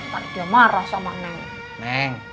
padahal dia marah sama neng